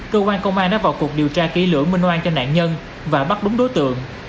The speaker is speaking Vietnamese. cơ quan công an đã vào cuộc điều tra kỹ lưỡng minh hoan cho nạn nhân và bắt đúng đối tượng